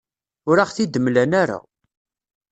Ur aɣ-t-id-mlan ara.